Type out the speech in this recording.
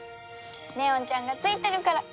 祢音ちゃんがついてるから。